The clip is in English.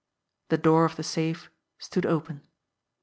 The door of the safe stood open.